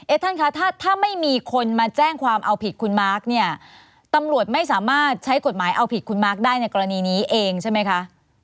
ท่านคะถ้าถ้าไม่มีคนมาแจ้งความเอาผิดคุณมาร์คเนี่ยตำรวจไม่สามารถใช้กฎหมายเอาผิดคุณมาร์คได้ในกรณีนี้เองใช่ไหมคะ